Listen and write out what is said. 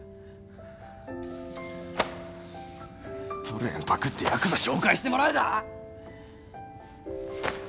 トルエンパクってヤクザ紹介してもらうだ？